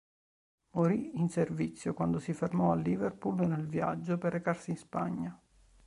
Morì in servizio, quando si fermò a Liverpool nel viaggio per recarsi in Spagna.